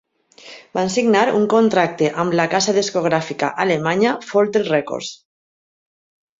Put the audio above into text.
Van signar un contracte amb la casa discogràfica alemanya Folter Records.